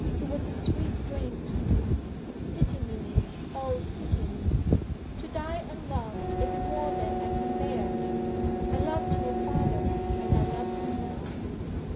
It was a sweet dream to me.... Pity me O, pity me! To die unloved is more than I can bear! I loved your father, and I love him now.